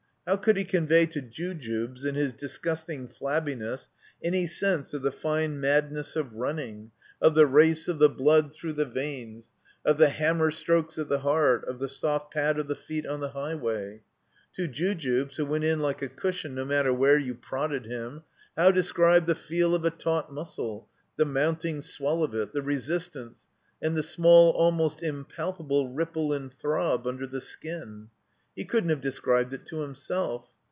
How could he convey to Jujubes in his disgusting jSabbiness any sense of the fine madness of running, of the race of the blood through the veins, of the hammer strokes of the heart, of the soft pad of the feet on the highway ? To Jujubes, who went in like a cushion no matter where you prodded him, how describe the feel of a taut muscle, the moxmting swell of it, the resistance, and the small, almost impalpable ripple and throb under the skin? He couldn't have described it to himself.